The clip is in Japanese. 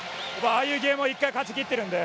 ああいうゲームを勝ち切ってるので。